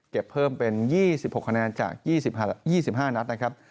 เพิ่มเป็น๒๖คะแนนจาก๒๕นัดนะครับ